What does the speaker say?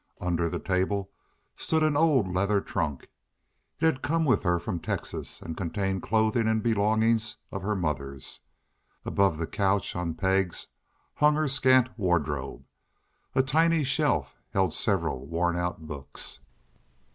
Under the table stood an old leather trunk. It had come with her from Texas, and contained clothing and belongings of her mother's. Above the couch on pegs hung her scant wardrobe. A tiny shelf held several worn out books.